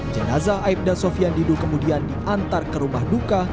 jenazah aibda sofian didu kemudian diantar ke rumah duka